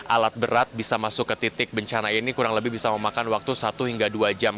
alat berat bisa masuk ke titik bencana ini kurang lebih bisa memakan waktu satu hingga dua jam